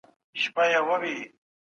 ولي بايد د خپل هېواد دفاع ته چمتو واوسو؟